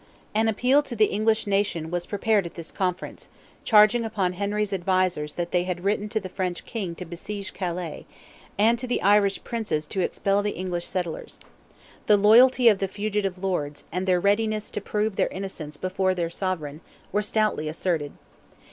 An appeal to the English nation was prepared at this Conference, charging upon Henry's advisers that they had written to the French King to besiege Calais, and to the Irish Princes to expel the English settlers. The loyalty of the fugitive lords, and their readiness to prove their innocence before their sovereign, were stoutly asserted.